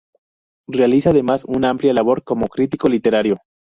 Realiza además una amplia labor como crítico literario.